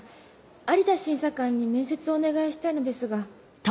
有田審査官に面接をお願いしたいのですが。